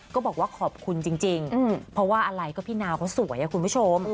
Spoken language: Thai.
ก็บอกว่าขอบคุณจริงเพราะว่าอะไรก็พี่นาวเขาสวยคุณผู้ชม